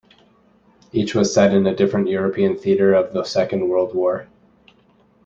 Each was set in a different European theatre of the Second World War.